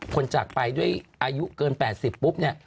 จากไปด้วยอายุเกิน๘๐ปุ๊บเนี่ย